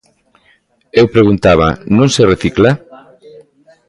Eu preguntaba: non se recicla?